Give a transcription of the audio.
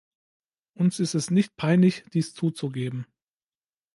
Uns ist es nicht peinlich, dies zuzugeben.